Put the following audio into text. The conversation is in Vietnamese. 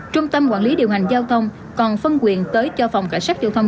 trung tâm quản lý điều hành giao thông còn phân quyền tới cho phòng cảnh sát giao thông